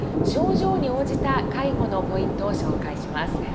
症状に応じた介護のポイントを紹介します。